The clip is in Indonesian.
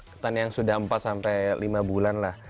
ketan yang sudah empat lima bulan lah